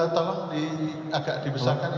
tolong di agak dibesarkan